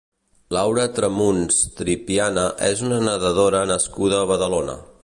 Laura Tramuns Tripiana és una nedadora nascuda a Badalona.